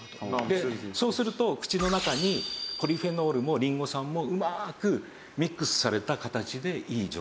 そうすると口の中にポリフェノールもリンゴ酸もうまーくミックスされた形でいい状態ができる。